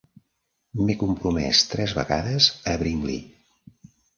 M'he compromès tres vegades a Brinkley.